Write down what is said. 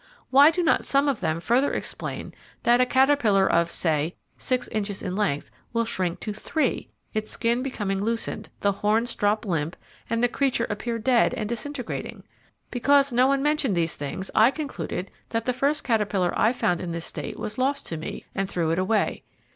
Why do not some of them explain further that a caterpillar of, say, six inches in length will shrink to THREE, its skin become loosened, the horns drop limp, and the creature appear dead and disintegrating? Because no one mentioned these things, I concluded that the first caterpillar I found in this state was lost to me and threw it away.